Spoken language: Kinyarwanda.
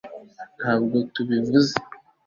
ntabwo tubivuze